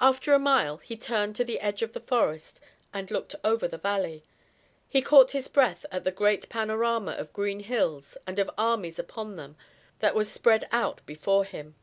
After a mile, he turned to the edge of the forest and looked over the valley. He caught his breath at the great panorama of green hills and of armies upon them that was spread out before him.